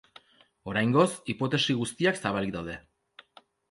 Oraingoz, hipotesi guztiak zabalik daude.